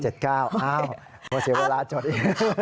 ๙๔๗๙โอ้โหเสียเวลาจดอีก